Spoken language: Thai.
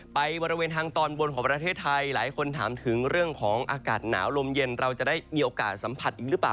บริเวณทางตอนบนของประเทศไทยหลายคนถามถึงเรื่องของอากาศหนาวลมเย็นเราจะได้มีโอกาสสัมผัสอีกหรือเปล่า